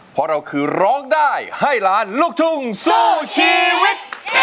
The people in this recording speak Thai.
เพราะเราคือร้องได้ให้ล้านลูกทุ่งสู้ชีวิต